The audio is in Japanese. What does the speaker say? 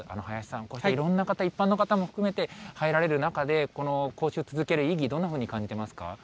林さん、こうやっていろんな方、一般の方も含めて、入られる中で、この講習、続ける意義、どんなふうに感じてますか？